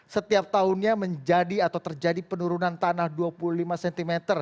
setiap tahunnya menjadi atau terjadi penurunan tanah dua puluh lima cm